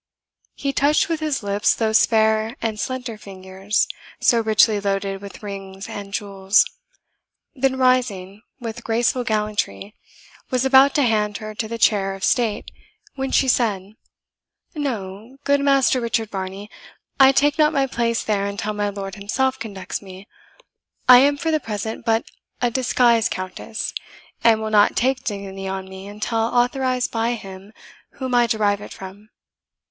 He touched with his lips those fair and slender fingers, so richly loaded with rings and jewels; then rising, with graceful gallantry, was about to hand her to the chair of state, when she said, "No, good Master Richard Varney, I take not my place there until my lord himself conducts me. I am for the present but a disguised Countess, and will not take dignity on me until authorized by him whom I derive it from."